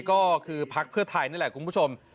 ก็คือพักเพื่อไทยนี่แหละคุณผู้ชม